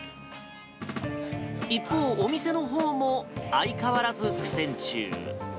一方、お店のほうも相変わらず苦戦中。